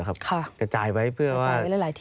กระจายไว้เพื่อว่า